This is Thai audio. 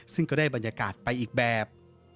ซึ่งก็ได้บรรยากาศไปอีกแบบ